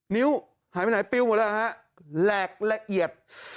นิ้วหายไปไหนปิ้วหมดแล้วฮะแหลกละเอียด